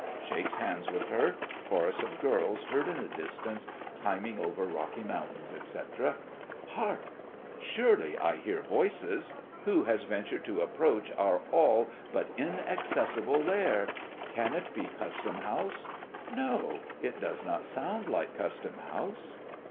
(Shakes hands with her. Chorus of girls heard in the distance, "climbing over rocky mountain," etc.) Hark! Surely I hear voices! Who has ventured to approach our all but inaccessible lair? Can it be Custom House? No, it does not sound like Custom House.